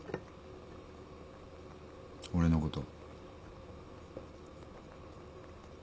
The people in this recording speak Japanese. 俺のこと。